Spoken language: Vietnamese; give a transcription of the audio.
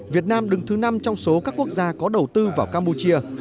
việt nam đứng thứ năm trong số các quốc gia có đầu tư vào campuchia